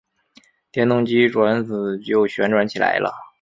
电动机转子就旋转起来了。